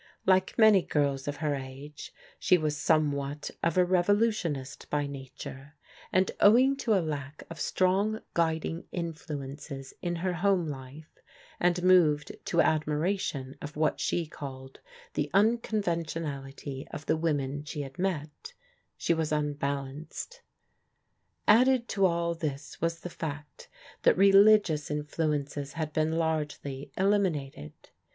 Like many girls of her age, she was somewhat of a revolutionist by nature, and owing to a lack of strong guiding influences in her home life, and moved to admiration of what she called the un conventionality of the women she had met, she was un balanced. Added to all this was the fact that religious influences had been largely eliminated.